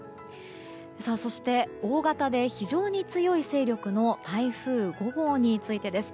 そして、大型で非常に強い勢力の台風５号についてです。